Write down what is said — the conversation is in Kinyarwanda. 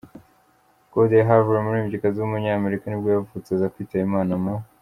Goldie Harvey, umuririmbyikazi w’umunyanigeriya nibwo yavutse aza kwitaba Imana mu .